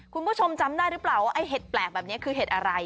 คุณผู้ชมจำได้หรือเปล่าว่าไอ้เห็ดแปลกแบบนี้คือเห็ดอะไร